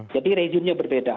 jadi regimenya berbeda